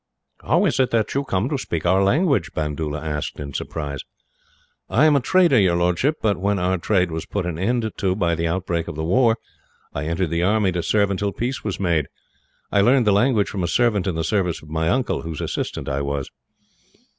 "How is it that you come to speak our language?" Bandoola asked, in surprise. "I am a trader, your lordship, but when our trade was put an end to, by the outbreak of the war, I entered the army to serve until peace was made. I learned the language from a servant in the service of my uncle, whose assistant I was."